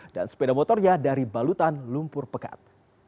dan sepeda motornya dari balutan lumpur pekat